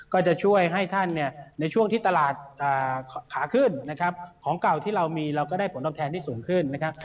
ก็จะช่วยให้ท่านเนี่ยในช่วงที่ตลาดขาขึ้นนะครับของเก่าที่เรามีเราก็ได้ผลตอบแทนที่สูงขึ้นนะครับ